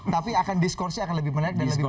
tapi akan diskursi akan lebih menarik dan lebih baik